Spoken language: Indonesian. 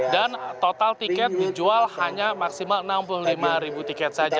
dan total tiket dijual hanya maksimal enam puluh lima ribu tiket saja